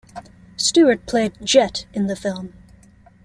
Stewart played Jett in the film.